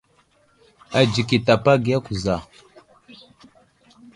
Adzik i tapa agiya kuza.